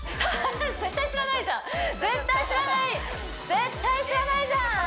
絶対知らないじゃん！